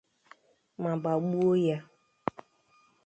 ma gbagbuo ya.